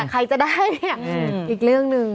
ใครจะได้เนี่ยอีกเรื่องหนึ่ง